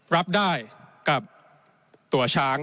รับได้กับตัวช้าง